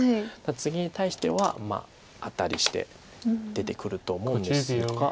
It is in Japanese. ツギに対してはまあアタリして出てくると思うんですが。